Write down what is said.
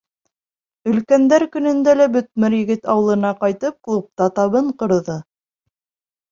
Өлкәндәр көнөндә лә бөтмөр егет ауылына ҡайтып, клубта табын ҡорҙо.